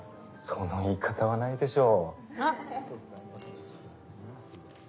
その言い方はないでしょ？